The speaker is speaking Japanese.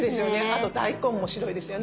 あと大根も白いですよね。